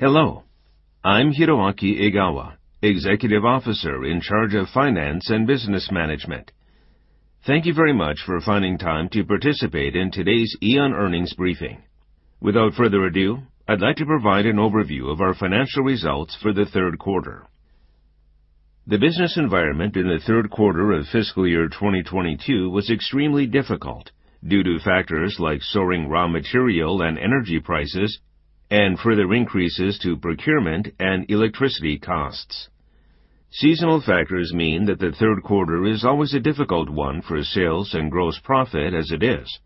Hello. I'm Hiroaki Egawa, Executive Officer in charge of finance and business management. Thank you very much for finding time to participate in today's AEON earnings briefing. Without further ado, I'd like to provide an overview of our financial results for the third quarter. The business environment in the third quarter of fiscal year 2022 was extremely difficult due to factors like soaring raw material and energy prices, and further increases to procurement and electricity costs. Seasonal factors mean that the third quarter is always a difficult one for sales and gross profit as it is,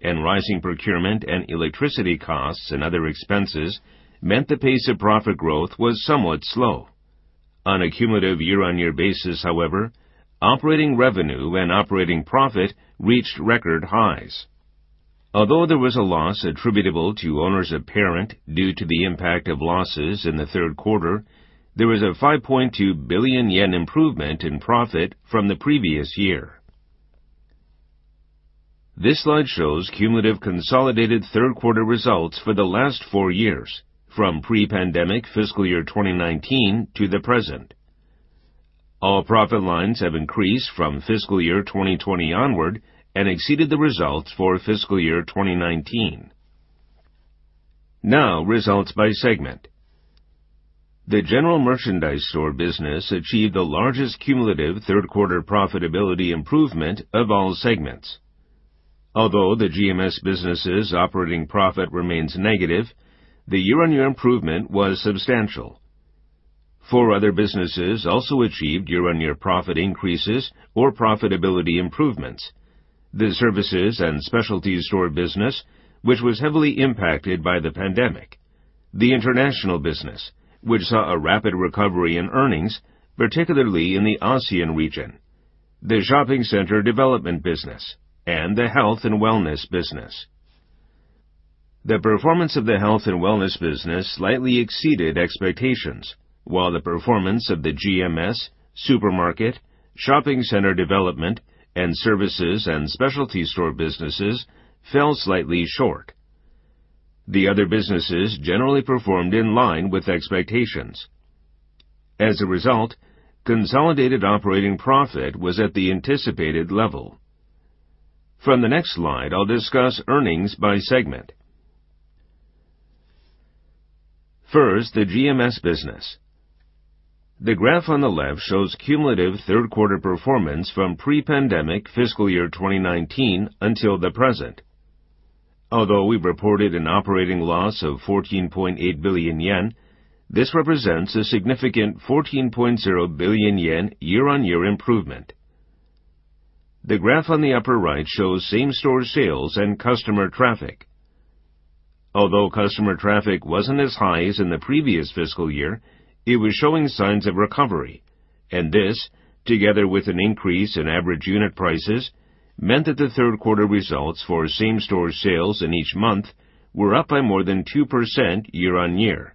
and rising procurement and electricity costs and other expenses meant the pace of profit growth was somewhat slow. On a cumulative year-on-year basis, however, operating revenue and operating profit reached record highs. Although there was a loss attributable to owners of parent due to the impact of losses in the third quarter, there was a 5.2 billion yen improvement in profit from the previous year. This slide shows cumulative consolidated third quarter results for the last four years, from pre-pandemic fiscal year 2019 to the present. All profit lines have increased from fiscal year 2020 onward and exceeded the results for fiscal year 2019. Now results by segment. The general merchandise store business achieved the largest cumulative third quarter profitability improvement of all segments. Although the GMS business's operating profit remains negative, the year-on-year improvement was substantial. Four other businesses also achieved year-on-year profit increases or profitability improvements. The services and specialty store business, which was heavily impacted by the pandemic, the international business, which saw a rapid recovery in earnings, particularly in the ASEAN region, the shopping center development business, and the health and wellness business. The performance of the health and wellness business slightly exceeded expectations, while the performance of the GMS, supermarket, shopping center development, and services and specialty store businesses fell slightly short. The other businesses generally performed in line with expectations. As a result, consolidated operating profit was at the anticipated level. From the next slide, I'll discuss earnings by segment. First, the GMS business. The graph on the left shows cumulative third quarter performance from pre-pandemic fiscal year 2019 until the present. Although we've reported an operating loss of 14.8 billion yen, this represents a significant 14.0 billion yen year-on-year improvement. The graph on the upper right shows same-store sales and customer traffic. Although customer traffic wasn't as high as in the previous fiscal year, it was showing signs of recovery, and this, together with an increase in average unit prices, meant that the third quarter results for same-store sales in each month were up by more than 2% year-on-year.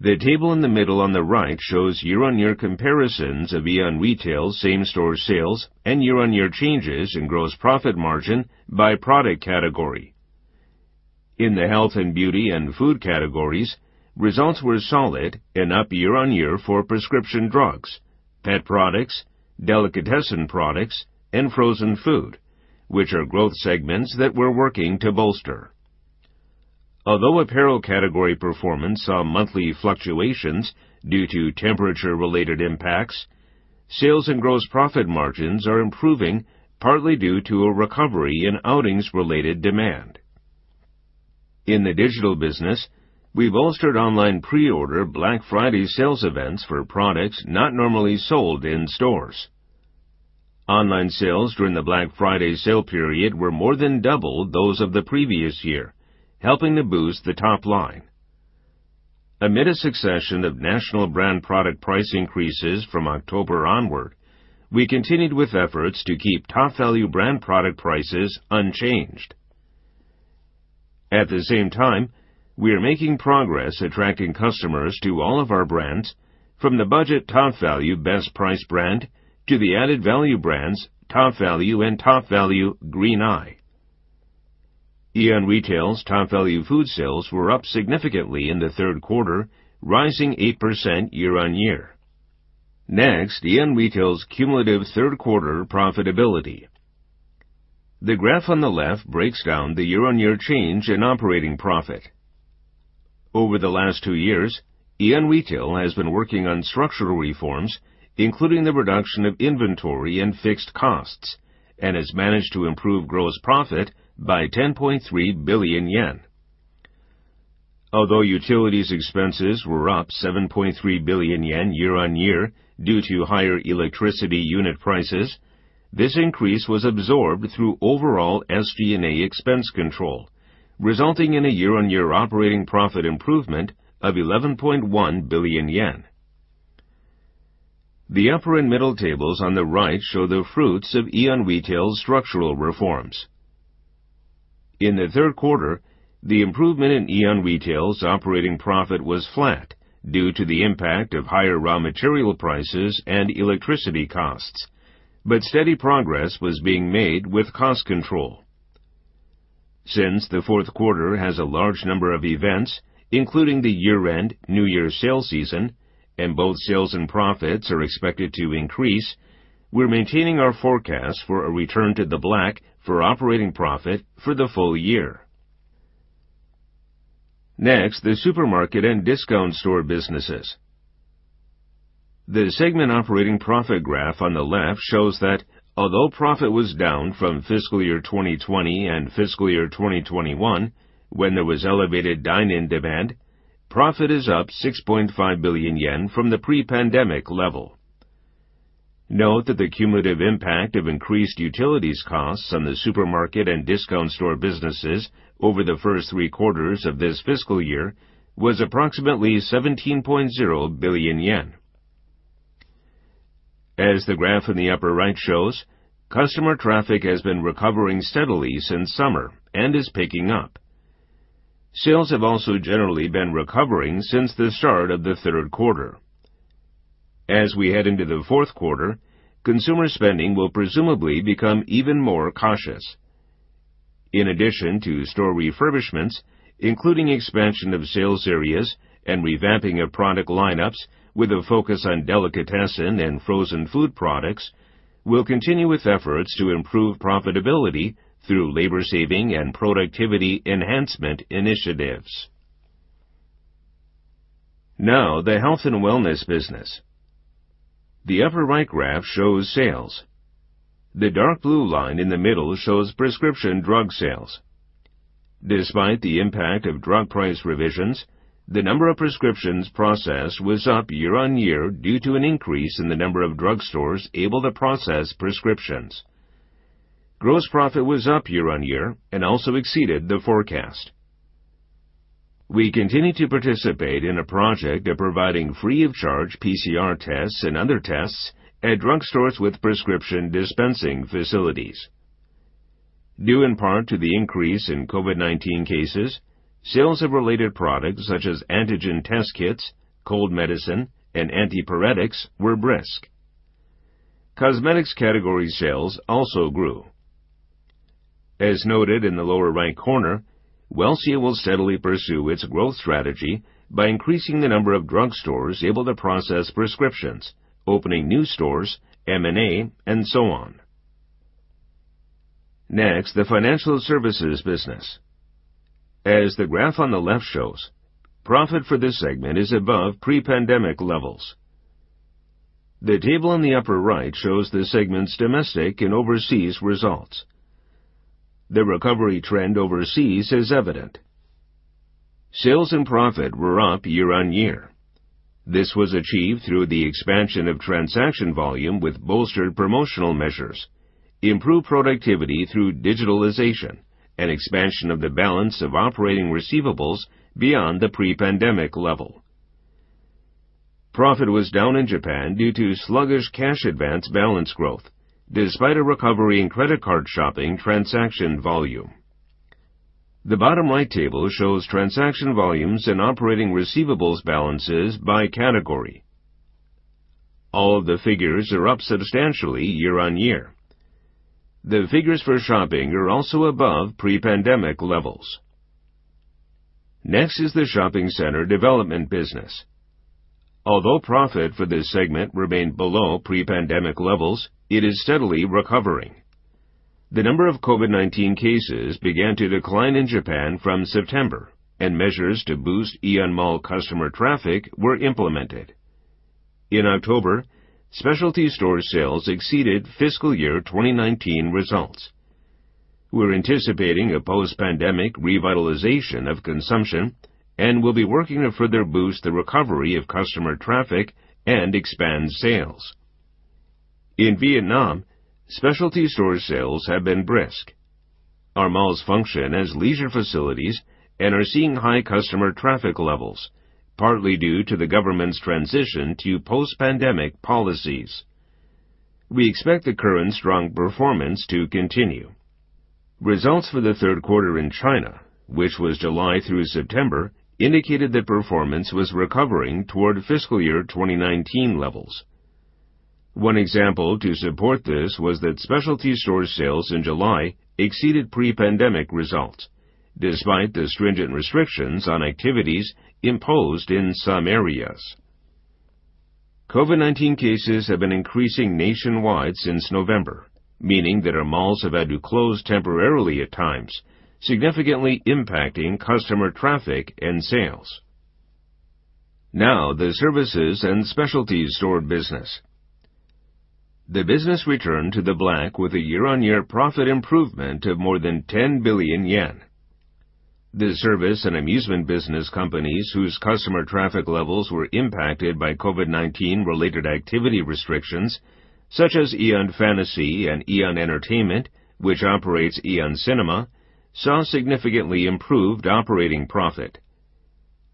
The table in the middle on the right shows year-on-year comparisons of AEON Retail's same-store sales and year-on-year changes in gross profit margin by product category. In the health and beauty and food categories, results were solid and up year-on-year for prescription drugs, pet products, delicatessen products, and frozen food, which are growth segments that we're working to bolster. Although apparel category performance saw monthly fluctuations due to temperature-related impacts, sales and gross profit margins are improving partly due to a recovery in outings-related demand. In the digital business, we've bolstered online pre-order Black Friday sales events for products not normally sold in stores. Online sales during the Black Friday sale period were more than 2x those of the previous year, helping to boost the top line. Amid a succession of national brand product price increases from October onward, we continued with efforts to keep Topvalu brand product prices unchanged. At the same time, we are making progress attracting customers to all of our brands from the budget Topvalu Best Price brand to the added value brands Topvalu and Topvalu Gurinai. AEON Retail's Topvalu food sales were up significantly in the third quarter, rising 8% year-on-year. Next, AEON Retail's cumulative third quarter profitability. The graph on the left breaks down the year-on-year change in operating profit. Over the last two years, AEON Retail has been working on structural reforms, including the reduction of inventory and fixed costs, and has managed to improve gross profit by 10.3 billion yen. Although utilities expenses were up 7.3 billion yen year-over-year due to higher electricity unit prices, this increase was absorbed through overall SG&A expense control, resulting in a year-over-year operating profit improvement of 11.1 billion yen. The upper and middle tables on the right show the fruits of AEON Retail's structural reforms. In the third quarter, the improvement in AEON Retail's operating profit was flat. Due to the impact of higher raw material prices and electricity costs, but steady progress was being made with cost control. Since the fourth quarter has a large number of events, including the year-end, New Year sales season, and both sales and profits are expected to increase, we're maintaining our forecast for a return to the black for operating profit for the full year. Next, the supermarket and discount store businesses. The segment operating profit graph on the left shows that although profit was down from fiscal year 2020 and fiscal year 2021, when there was elevated dine-in demand, profit is up 6.5 billion yen from the pre-pandemic level. Note that the cumulative impact of increased utilities costs on the supermarket and discount store businesses over the first three quarters of this fiscal year was approximately 17.0 billion yen. As the graph in the upper right shows, customer traffic has been recovering steadily since summer and is picking up. Sales have also generally been recovering since the start of the third quarter. As we head into the fourth quarter, consumer spending will presumably become even more cautious. In addition to store refurbishments, including expansion of sales areas and revamping of product lineups with a focus on delicatessen and frozen food products, we'll continue with efforts to improve profitability through labor-saving and productivity enhancement initiatives. Now, the health and wellness business. The upper right graph shows sales. The dark blue line in the middle shows prescription drug sales. Despite the impact of drug price revisions, the number of prescriptions processed was up year-on-year due to an increase in the number of drugstores able to process prescriptions. Gross profit was up year-on-year and also exceeded the forecast. We continue to participate in a project of providing free-of-charge PCR tests and other tests at drugstores with prescription dispensing facilities. Due in part to the increase in COVID-19 cases, sales of related products such as antigen test kits, cold medicine, and antipyretics were brisk. Cosmetics category sales also grew. As noted in the lower right corner, Welcia will steadily pursue its growth strategy by increasing the number of drugstores able to process prescriptions, opening new stores, M&A, and so on. The financial services business. As the graph on the left shows, profit for this segment is above pre-pandemic levels. The table on the upper right shows the segment's domestic and overseas results. The recovery trend overseas is evident. Sales and profit were up year-on-year. This was achieved through the expansion of transaction volume with bolstered promotional measures, improved productivity through digitalization, and expansion of the balance of operating receivables beyond the pre-pandemic level. Profit was down in Japan due to sluggish cash advance balance growth, despite a recovery in credit card shopping transaction volume. The bottom right table shows transaction volumes and operating receivables balances by category. All of the figures are up substantially year-on-year. The figures for shopping are also above pre-pandemic levels. Next is the shopping center development business. Although profit for this segment remained below pre-pandemic levels, it is steadily recovering. The number of COVID-19 cases began to decline in Japan from September, and measures to boost AEON Mall customer traffic were implemented. In October, specialty store sales exceeded fiscal year 2019 results. We're anticipating a post-pandemic revitalization of consumption and will be working to further boost the recovery of customer traffic and expand sales. In Vietnam, specialty store sales have been brisk. Our malls function as leisure facilities and are seeing high customer traffic levels, partly due to the government's transition to post-pandemic policies. We expect the current strong performance to continue. Results for the third quarter in China, which was July through September, indicated that performance was recovering toward fiscal year 2019 levels. One example to support this was that specialty store sales in July exceeded pre-pandemic results, despite the stringent restrictions on activities imposed in some areas. COVID-19 cases have been increasing nationwide since November, meaning that our malls have had to close temporarily at times, significantly impacting customer traffic and sales. Now, the services and specialties store business. The business returned to the black with a year-on-year profit improvement of more than 10 billion yen. The service and amusement business companies whose customer traffic levels were impacted by COVID-19 related activity restrictions, such as AEON Fantasy and AEON Entertainment, which operates AEON CINEMA, saw significantly improved operating profit.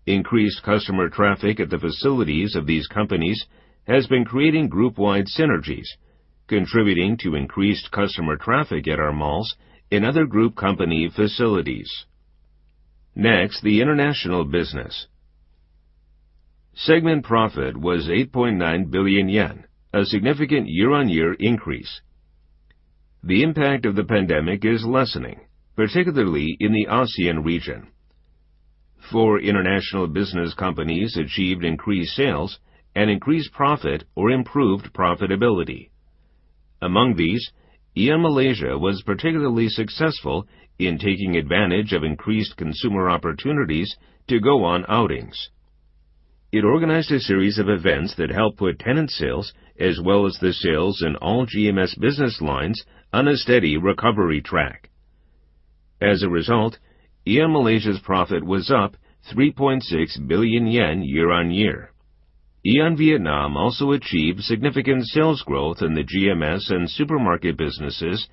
Increased customer traffic at the facilities of these companies has been creating group-wide synergies. Contributing to increased customer traffic at our malls in other group company facilities. Next, the international business. Segment profit was 8.9 billion yen, a significant year-on-year increase. The impact of the pandemic is lessening, particularly in the Asian region. Four international business companies achieved increased sales and increased profit or improved profitability. Among these, AEON Malaysia was particularly successful in taking advantage of increased consumer opportunities to go on outings. It organized a series of events that helped put tenant sales as well as the sales in all GMS business lines on a steady recovery track. As a result, AEON Malaysia's profit was up 3.6 billion yen year-on-year. AEON Vietnam also achieved significant sales growth in the GMS and supermarket businesses,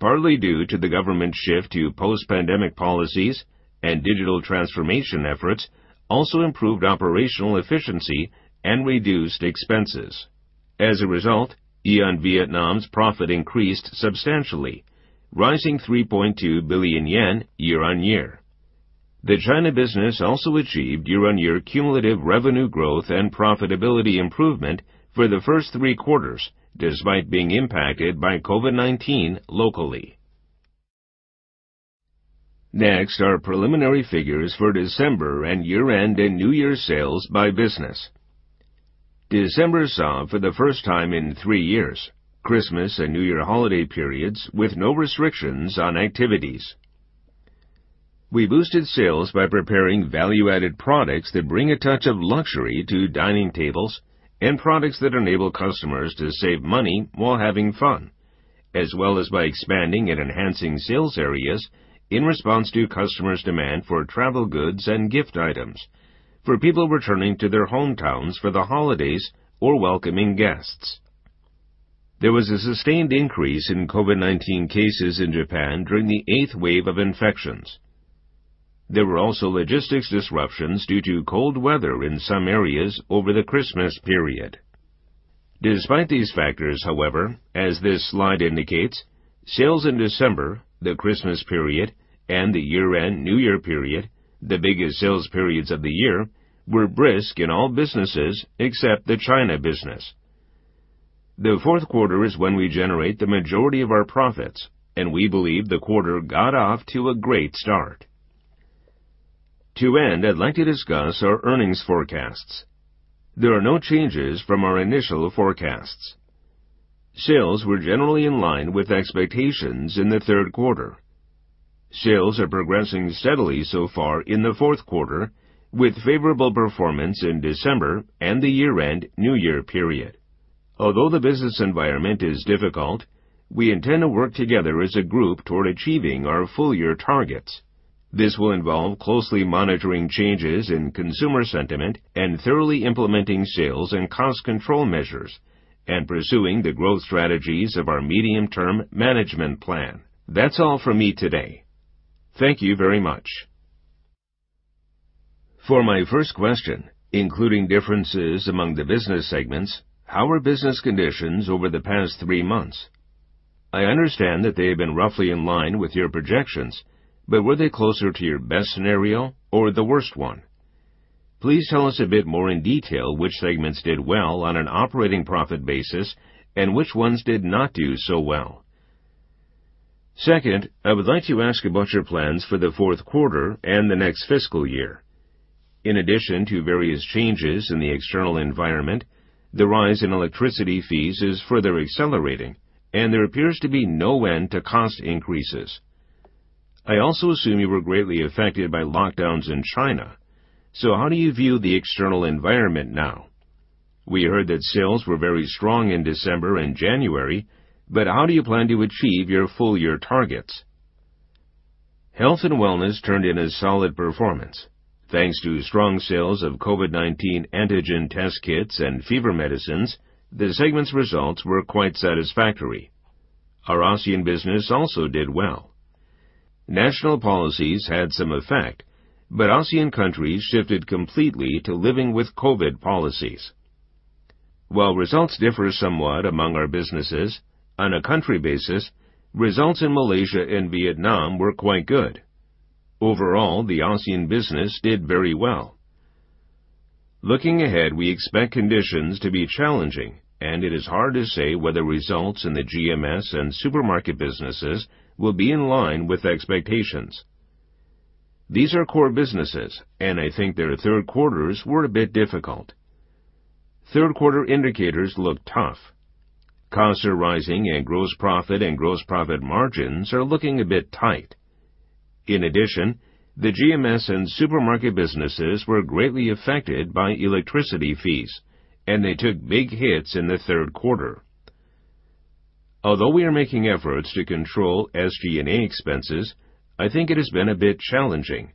partly due to the government's shift to post-pandemic policies and digital transformation efforts also improved operational efficiency and reduced expenses. As a result, AEON Vietnam's profit increased substantially, rising 3.2 billion yen year-on-year. The China business also achieved year-on-year cumulative revenue growth and profitability improvement for the first three quarters, despite being impacted by COVID-19 locally. Next, our preliminary figures for December and year-end and New Year sales by business. December saw, for the first time in three years, Christmas and New Year holiday periods with no restrictions on activities. We boosted sales by preparing value-added products that bring a touch of luxury to dining tables and products that enable customers to save money while having fun, as well as by expanding and enhancing sales areas in response to customers' demand for travel goods and gift items for people returning to their hometowns for the holidays or welcoming guests. There was a sustained increase in COVID-19 cases in Japan during the eighth wave of infections. There were also logistics disruptions due to cold weather in some areas over the Christmas period. Despite these factors, however, as this slide indicates, sales in December, the Christmas period, and the year-end New Year period, the biggest sales periods of the year, were brisk in all businesses except the China business. The fourth quarter is when we generate the majority of our profits, and we believe the quarter got off to a great start. To end, I'd like to discuss our earnings forecasts. There are no changes from our initial forecasts. Sales were generally in line with expectations in the third quarter. Sales are progressing steadily so far in the fourth quarter, with favorable performance in December and the year-end New Year period. Although the business environment is difficult, we intend to work together as a group toward achieving our full-year targets. This will involve closely monitoring changes in consumer sentiment and thoroughly implementing sales and cost control measures and pursuing the growth strategies of our medium-term management plan. That's all from me today. Thank you very much. For my first question, including differences among the business segments, how were business conditions over the past three months? I understand that they have been roughly in line with your projections, but were they closer to your best scenario or the worst one? Please tell us a bit more in detail which segments did well on an operating profit basis and which ones did not do so well. I would like to ask about your plans for the fourth quarter and the next fiscal year. In addition to various changes in the external environment, the rise in electricity fees is further accelerating, and there appears to be no end to cost increases. I also assume you were greatly affected by lockdowns in China. How do you view the external environment now? We heard that sales were very strong in December and January. How do you plan to achieve your full-year targets? Health and wellness turned in a solid performance. Thanks to strong sales of COVID-19 antigen test kits and fever medicines, the segment's results were quite satisfactory. Our Asian business also did well. National policies had some effect. Asian countries shifted completely to living with COVID policies. While results differ somewhat among our businesses, on a country basis, results in Malaysia and Vietnam were quite good. Overall, the Asian business did very well. Looking ahead, we expect conditions to be challenging, and it is hard to say whether results in the GMS and supermarket businesses will be in line with expectations. These are core businesses, and I think their third quarters were a bit difficult. Third quarter indicators look tough. Costs are rising, and gross profit and gross profit margins are looking a bit tight. In addition, the GMS and supermarket businesses were greatly affected by electricity fees, and they took big hits in the third quarter. Although we are making efforts to control SG&A expenses, I think it has been a bit challenging.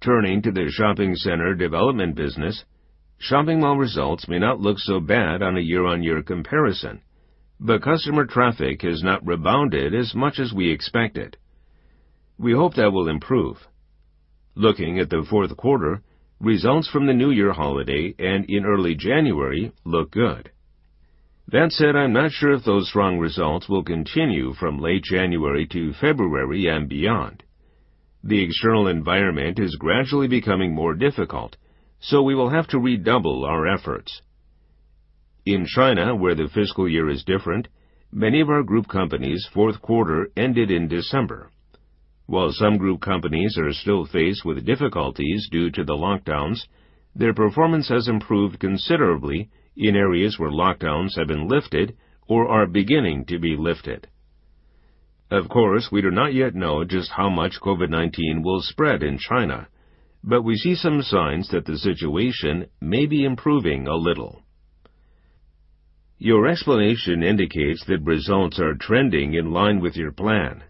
Turning to the shopping center development business, shopping mall results may not look so bad on a year-on-year comparison. Customer traffic has not rebounded as much as we expected. We hope that will improve. Looking at the fourth quarter, results from the New Year holiday and in early January look good. That said, I'm not sure if those strong results will continue from late January to February and beyond. The external environment is gradually becoming more difficult. We will have to redouble our efforts. In China, where the fiscal year is different, many of our group companies' fourth quarter ended in December. While some group companies are still faced with difficulties due to the lockdowns, their performance has improved considerably in areas where lockdowns have been lifted or are beginning to be lifted. Of course, we do not yet know just how much COVID-19 will spread in China, but we see some signs that the situation may be improving a little. Your explanation indicates that results are trending in line with your plan.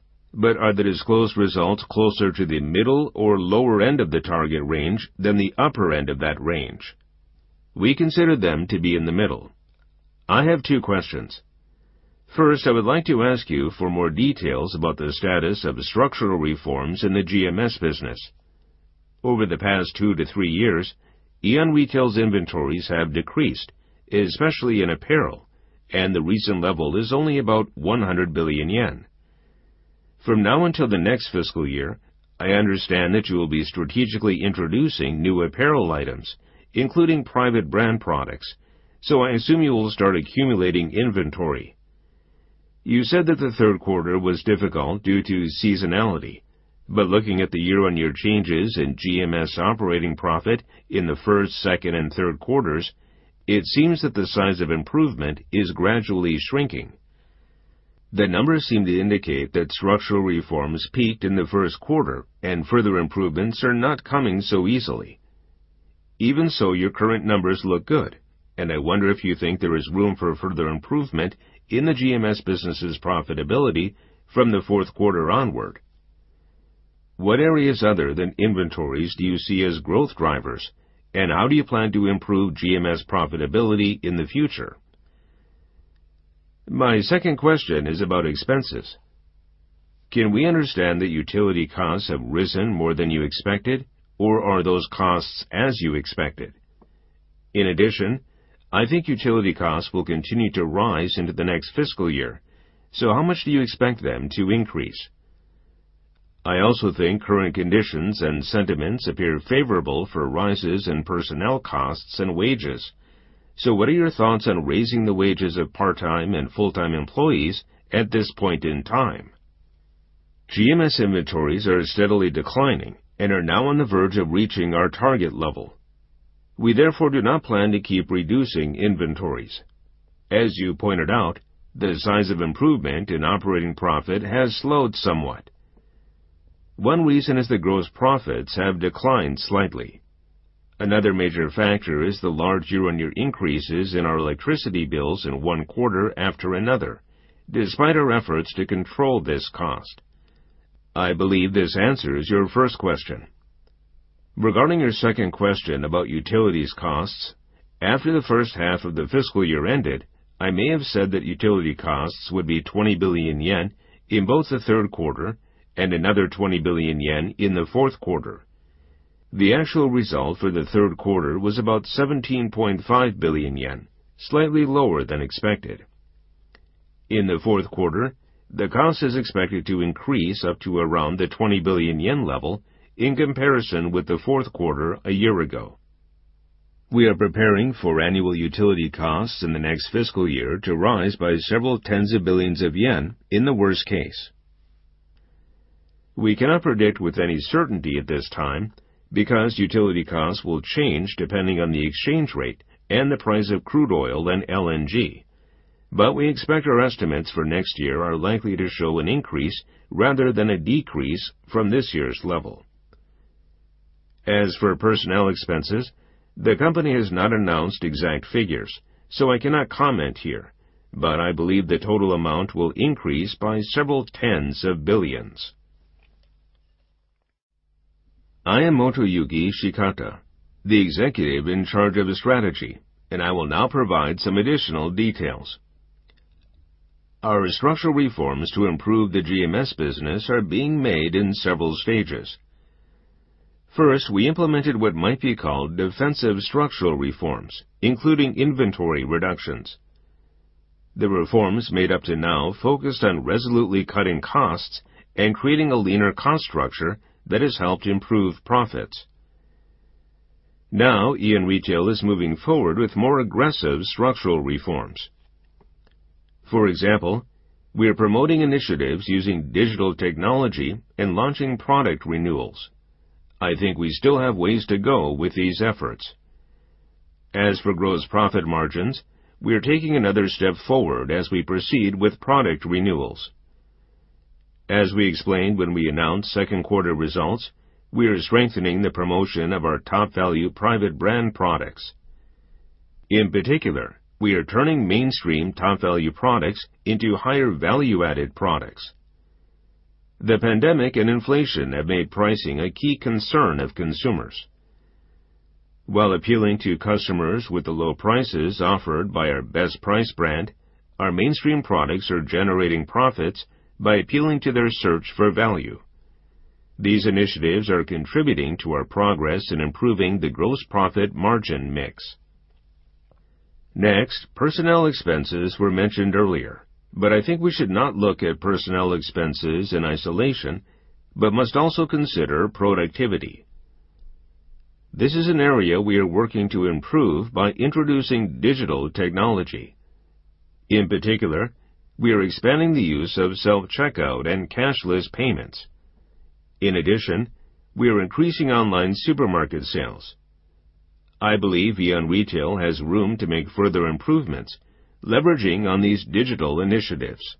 Are the disclosed results closer to the middle or lower end of the target range than the upper end of that range? We consider them to be in the middle. I have two questions. First, I would like to ask you for more details about the status of the structural reforms in the GMS business. Over the past two to three years, AEON Retail's inventories have decreased, especially in apparel, and the recent level is only about 100 billion yen. From now until the next fiscal year, I understand that you will be strategically introducing new apparel items, including private brand products, I assume you will start accumulating inventory. You said that the third quarter was difficult due to seasonality, looking at the year-on-year changes in GMS operating profit in the first, second, and third quarters, it seems that the size of improvement is gradually shrinking. The numbers seem to indicate that structural reforms peaked in the first quarter and further improvements are not coming so easily. Your current numbers look good, and I wonder if you think there is room for further improvement in the GMS business's profitability from the fourth quarter onward. What areas other than inventories do you see as growth drivers, and how do you plan to improve GMS profitability in the future? My second question is about expenses. Can we understand that utility costs have risen more than you expected, or are those costs as you expected? In addition, I think utility costs will continue to rise into the next fiscal year. How much do you expect them to increase? I also think current conditions and sentiments appear favorable for rises in personnel costs and wages. What are your thoughts on raising the wages of part-time and full-time employees at this point in time? GMS inventories are steadily declining and are now on the verge of reaching our target level. We therefore do not plan to keep reducing inventories. As you pointed out, the size of improvement in operating profit has slowed somewhat. One reason is the gross profits have declined slightly. Another major factor is the large year-on-year increases in our electricity bills in one quarter after another despite our efforts to control this cost. I believe this answers your first question. Regarding your second question about utilities costs, after the first half of the fiscal year ended, I may have said that utility costs would be 20 billion yen in both the third quarter and another 20 billion yen in the fourth quarter. The actual result for the third quarter was about 17.5 billion yen, slightly lower than expected. In the fourth quarter, the cost is expected to increase up to around the 20 billion yen level in comparison with the fourth quarter a year ago. We are preparing for annual utility costs in the next fiscal year to rise by several tens of billions of JPY in the worst case. We cannot predict with any certainty at this time because utility costs will change depending on the exchange rate and the price of crude oil and LNG. We expect our estimates for next year are likely to show an increase rather than a decrease from this year's level. As for personnel expenses, the company has not announced exact figures, so I cannot comment here, but I believe the total amount will increase by several tens of billions JPY. I am Motoyuki Shikata, the Executive in charge of Strategy, and I will now provide some additional details. Our structural reforms to improve the GMS business are being made in several stages. First, we implemented what might be called defensive structural reforms, including inventory reductions. The reforms made up to now focused on resolutely cutting costs and creating a leaner cost structure that has helped improve profits. Now, AEON Retail is moving forward with more aggressive structural reforms. For example, we are promoting initiatives using digital technology and launching product renewals. I think we still have ways to go with these efforts. As for gross profit margins, we are taking another step forward as we proceed with product renewals. As we explained when we announced second quarter results, we are strengthening the promotion of our Topvalu private brand products. In particular, we are turning mainstream Topvalu products into higher value-added products. The pandemic and inflation have made pricing a key concern of consumers. While appealing to customers with the low prices offered by our Topvalu Best Price brand, our mainstream products are generating profits by appealing to their search for value. These initiatives are contributing to our progress in improving the gross profit margin mix. Next, personnel expenses were mentioned earlier, but I think we should not look at personnel expenses in isolation, but must also consider productivity. This is an area we are working to improve by introducing digital technology. In particular, we are expanding the use of self-checkout and cashless payments. In addition, we are increasing online supermarket sales. I believe AEON Retail has room to make further improvements leveraging on these digital initiatives.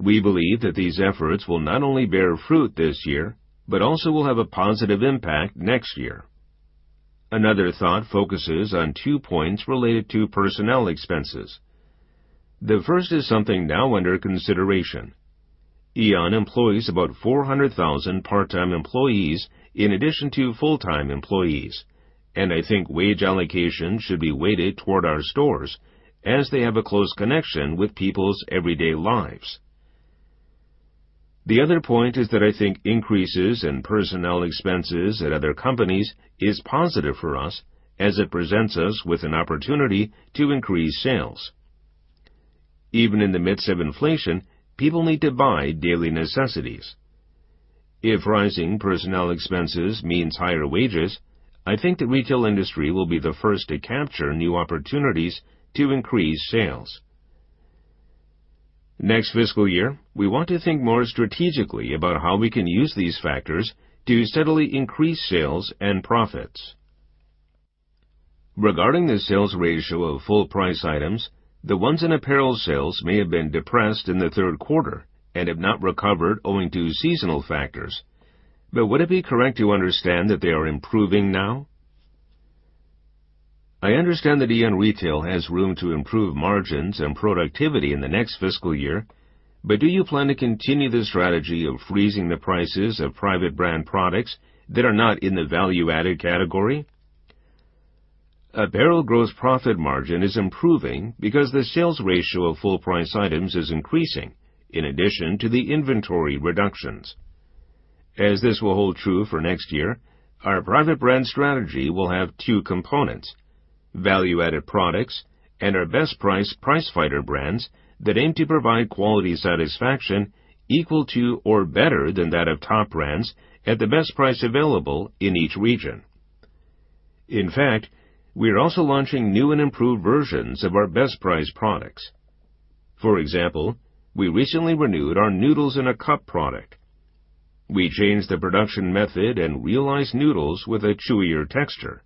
We believe that these efforts will not only bear fruit this year, but also will have a positive impact next year. Another thought focuses on two points related to personnel expenses. The first is something now under consideration. AEON employs about 400,000 part-time employees in addition to full-time employees, and I think wage allocation should be weighted toward our stores as they have a close connection with people's everyday lives. The other point is that I think increases in personnel expenses at other companies is positive for us as it presents us with an opportunity to increase sales. Even in the midst of inflation, people need to buy daily necessities. If rising personnel expenses means higher wages, I think the retail industry will be the first to capture new opportunities to increase sales. Next fiscal year, we want to think more strategically about how we can use these factors to steadily increase sales and profits. Regarding the sales ratio of full price items, the ones in apparel sales may have been depressed in the third quarter and have not recovered owing to seasonal factors. Would it be correct to understand that they are improving now? I understand that AEON Retail has room to improve margins and productivity in the next fiscal year, but do you plan to continue the strategy of freezing the prices of private brand products that are not in the value-added category? Apparel gross profit margin is improving because the sales ratio of full price items is increasing in addition to the inventory reductions. As this will hold true for next year, our private brand strategy will have two components: value-added products and our Best Price price fighter brands that aim to provide quality satisfaction equal to or better than that of top brands at the best price available in each region. In fact, we are also launching new and improved versions of our Best Price products. For example, we recently renewed our noodles in a cup product. We changed the production method and realized noodles with a chewier texture.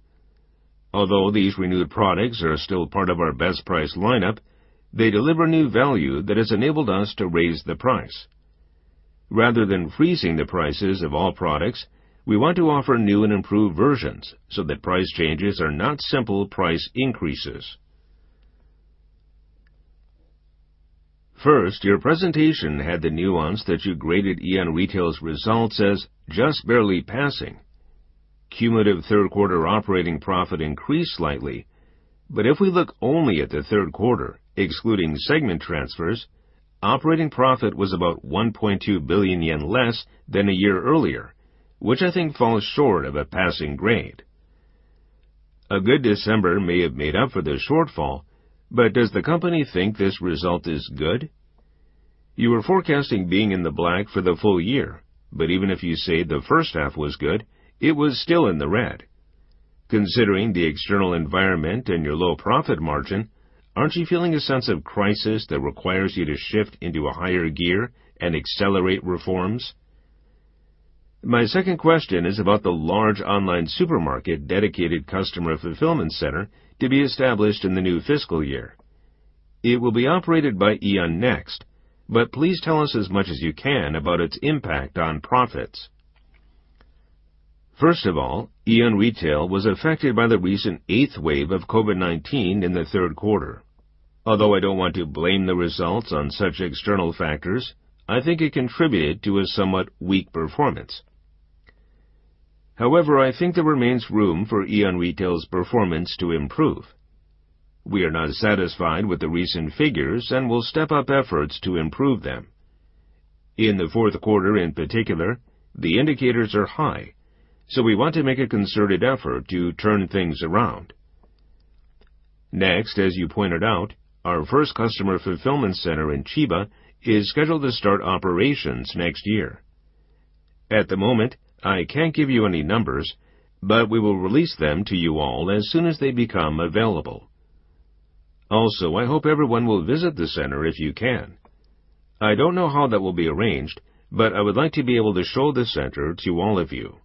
Although these renewed products are still part of our Best Price lineup, they deliver new value that has enabled us to raise the price. Rather than freezing the prices of all products, we want to offer new and improved versions so that price changes are not simple price increases. Your presentation had the nuance that you graded AEON Retail's results as just barely passing. Cumulative third-quarter operating profit increased slightly, if we look only at the third quarter, excluding segment transfers, operating profit was about 1.2 billion yen less than a year earlier, which I think falls short of a passing grade. A good December may have made up for the shortfall, does the company think this result is good? You were forecasting being in the black for the full year, even if you say the first half was good, it was still in the red. Considering the external environment and your low profit margin, aren't you feeling a sense of crisis that requires you to shift into a higher gear and accelerate reforms? My second question is about the large online supermarket dedicated customer fulfillment center to be established in the new fiscal year. It will be operated by AEON Next, but please tell us as much as you can about its impact on profits. First of all, AEON Retail was affected by the recent eighth wave of COVID-19 in the third quarter. Although I don't want to blame the results on such external factors, I think it contributed to a somewhat weak performance. However, I think there remains room for AEON Retail's performance to improve. We are not satisfied with the recent figures and will step up efforts to improve them. In the fourth quarter, in particular, the indicators are high, so we want to make a concerted effort to turn things around. Next, as you pointed out, our first customer fulfillment center in Chiba is scheduled to start operations next year. At the moment, I can't give you any numbers, but we will release them to you all as soon as they become available. Also, I hope everyone will visit the center if you can. I don't know how that will be arranged, but I would like to be able to show the center to all of you.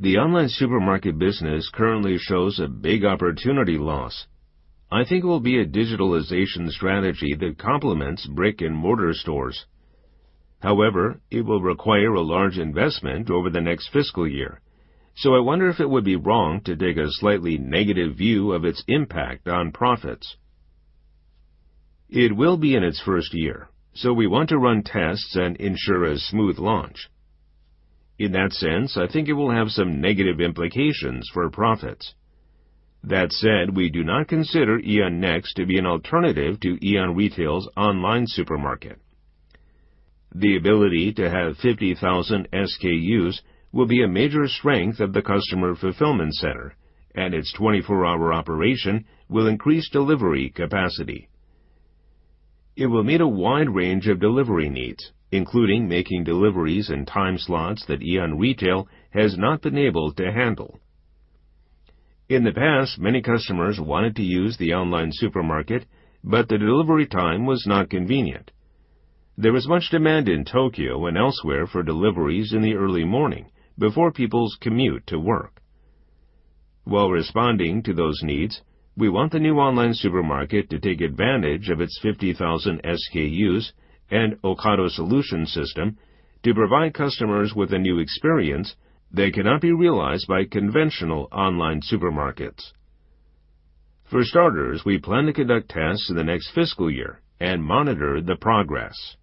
The online supermarket business currently shows a big opportunity loss. I think it will be a digitalization strategy that complements brick-and-mortar stores. However, it will require a large investment over the next fiscal year, so I wonder if it would be wrong to take a slightly negative view of its impact on profits. It will be in its first year, so we want to run tests and ensure a smooth launch. In that sense, I think it will have some negative implications for profits. That said, we do not consider AEON Next to be an alternative to AEON Retail's online supermarket. The ability to have 50,000 SKUs will be a major strength of the customer fulfillment center, and its 24-hour operation will increase delivery capacity. It will meet a wide range of delivery needs, including making deliveries in time slots that AEON Retail has not been able to handle. In the past, many customers wanted to use the online supermarket, but the delivery time was not convenient. There is much demand in Tokyo and elsewhere for deliveries in the early morning before people's commute to work. While responding to those needs, we want the new online supermarket to take advantage of its 50,000 SKUs and Ocado Solution system to provide customers with a new experience that cannot be realized by conventional online supermarkets. For starters, we plan to conduct tests in the next fiscal year and monitor the progress.